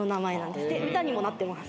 で歌にもなってます。